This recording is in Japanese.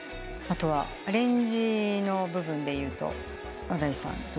後はアレンジの部分でいうと新井さん。